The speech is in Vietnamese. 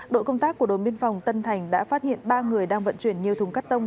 đội công tác của đội biên phòng tân thành đã phát hiện ba người đang vận chuyển nhiều thùng cắt tông